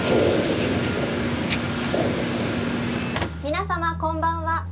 「皆様こんばんは」